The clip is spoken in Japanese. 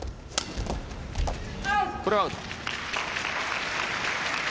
これはアウト。